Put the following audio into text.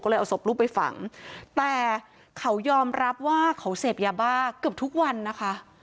ก็เลยเอาศพลูกไปฝังแต่เขายอมรับว่าเขาเสพยาบ้าเกือบทุกวันนะคะ